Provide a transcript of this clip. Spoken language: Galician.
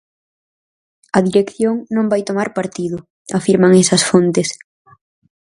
A dirección non vai tomar partido, afirman esas fontes.